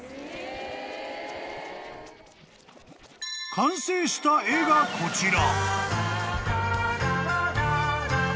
［完成した絵がこちら］